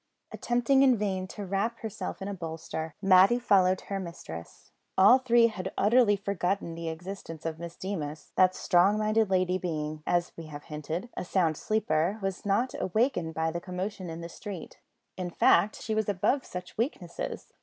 Attempting in vain to wrap herself in a bolster, Matty followed her mistress. All three had utterly forgotten the existence of Miss Deemas. That strong minded lady being, as we have hinted, a sound sleeper, was not awakened by the commotion in the street. In fact, she was above such weaknesses.